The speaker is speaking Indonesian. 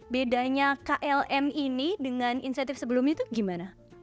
bedanya klm ini dengan insentif sebelumnya itu gimana